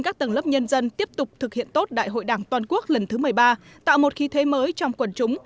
các tầng lớp nhân dân tiếp tục thực hiện tốt đại hội đảng toàn quốc lần thứ một mươi ba